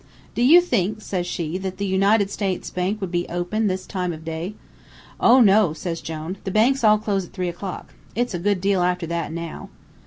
"'Do you think,' says she, 'that the United States Bank would be open this time of day?' "'Oh no,' says Jone, 'the banks all close at three o'clock. It's a good deal after that now.'